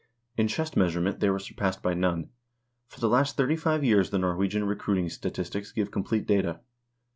In chest measurement they were sur passed by none.1 For the last thirty five years the Norwegian re cruiting statistics give complete data.